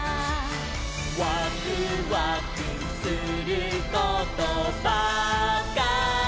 「ワクワクすることばかり」